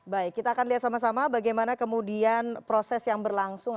baik kita akan lihat sama sama bagaimana kemudian proses yang berlangsung